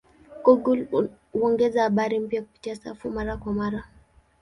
Google huongeza habari mpya kupitia safu mara kwa mara.